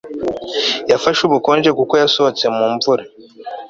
yafashe ubukonje kuko yasohotse mu mvura